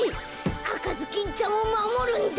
あかずきんちゃんをまもるんだ。